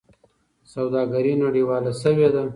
سوداګري نړیواله شوې ده.